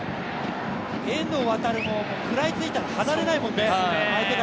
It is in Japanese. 遠藤航も食らいついたら相手から離れないもんね。